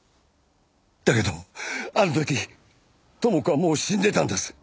だけどあの時知子はもう死んでたんです。